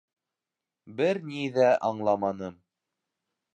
Бер ни ҙә аңламаным.